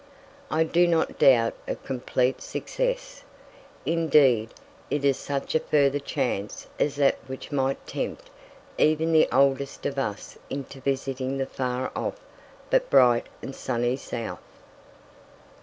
I do not doubt of complete success. Indeed, it is such a further chance as that which might tempt even the oldest of us into visiting the far off but bright and sunny South.